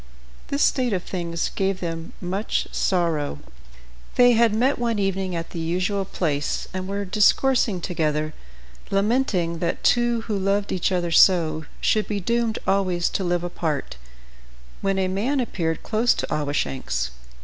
This state of things gave them much sorrow. They had met one evening at the usual place, and were discoursing together, lamenting that two who loved each other so, should be doomed always to live apart, when a man appeared close to Awashanks.